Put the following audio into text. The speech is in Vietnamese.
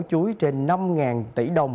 chuối trên năm tỷ đồng